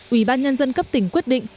ủy ban nhân dân cấp tỉnh quyết định